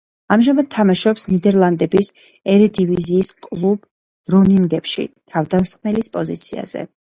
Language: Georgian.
ამჟამად თამაშობს ნიდერლანდების ერედივიზიის კლუბ „გრონინგენში“ თავდამსხმელის პოზიციაზე.